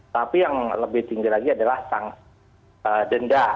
tapi yang lebih tinggi lagi adalah sang denda